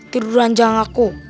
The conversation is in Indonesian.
tidur ranjang aku